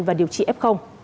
và điều trị f